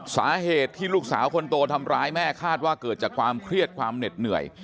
สาเหตุที่ลูกสาวคนโตทำร้ายแม่คาดว่าเกิดจากความเครียดความเหน็ดเหนื่อย